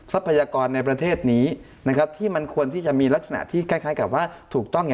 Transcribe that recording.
ทรัพยากรในประเทศนี้นะครับที่มันควรที่จะมีลักษณะที่คล้ายกับว่าถูกต้อง